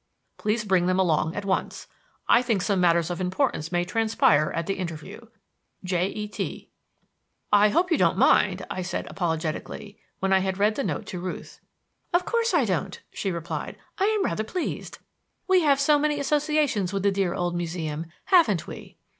Please bring them along at once. I think some matters of importance may transpire at the interview J. E. T._" "I hope you don't mind," I said apologetically, when I had read the note to Ruth. "Of course I don't," she replied. "I am rather pleased. We have so many associations with the dear old Museum, haven't we?"